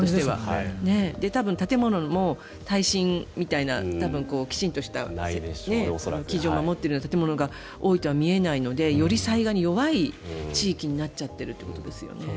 多分、建物も耐震みたいなきちんとした基準を守っているような建物が多いとは見えないのでより災害に弱い地域になっちゃってるということですよね。